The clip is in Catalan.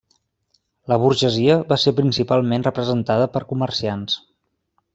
La burgesia va ser principalment representada per comerciants.